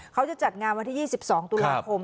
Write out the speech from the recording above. เขาจะจัดงานวันที่ยี่สิบสองตุลาคมครับ